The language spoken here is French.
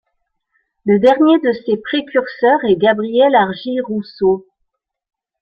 Le dernier de ces précurseurs est Gabriel Argy-Rousseau.